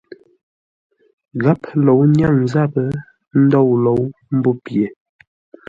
Gháp lǒu nyáŋ záp ndôu lǒu mbó pye.